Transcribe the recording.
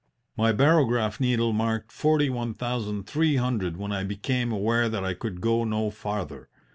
"My barograph needle marked forty one thousand three hundred when I became aware that I could go no farther.